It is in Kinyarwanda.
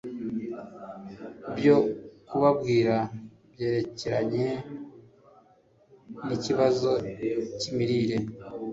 byo kubabwira byerekeranye nikibazo cyimirire